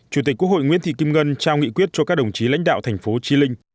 chủ tịch quốc hội nguyễn thị kim ngân trao nghị quyết cho các đồng chí lãnh đạo thành phố trí linh